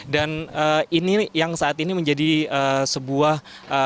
dan ini yang saat ini menjadi sebuah